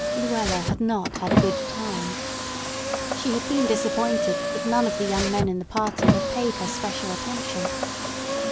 Luella had not had a good time. She had been disappointed that none of the young men in the party had paid her special attention.